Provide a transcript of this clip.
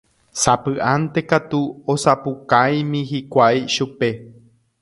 Sapy'ánte katu osapukáimi hikuái chupe